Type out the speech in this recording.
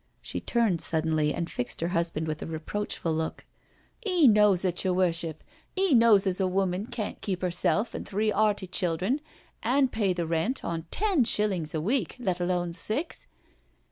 She turned suddenly and fixed her husband with' a reproachful look. "'£ knows it, yer Worship, 'e knows as a woman can't keep 'erself and three 'earty childern, and pay the rent on ten shillings a week, let alone six.